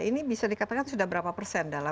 ini bisa dikatakan sudah berapa persen